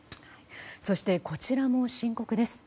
そして、こちらも深刻です。